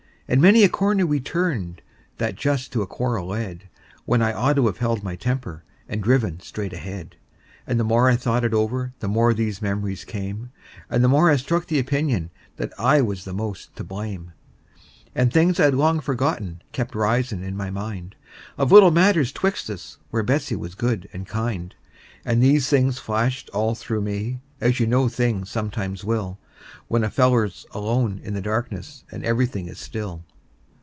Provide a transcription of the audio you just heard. And many a corner we'd turned that just to a quarrel led, When I ought to 've held my temper, and driven straight ahead; And the more I thought it over the more these memories came, And the more I struck the opinion that I was the most to blame. And things I had long forgotten kept risin' in my mind, Of little matters betwixt us, where Betsey was good and kind; And these things flashed all through me, as you know things sometimes will When a feller's alone in the darkness, and every thing is still.